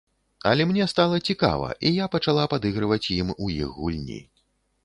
Але мне стала цікава, і я пачала падыгрываць ім у іх гульні.